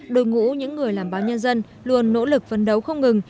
đội ngũ những người làm báo nhân dân luôn nỗ lực phấn đấu không ngừng